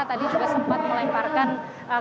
tadi juga sempat melemparkan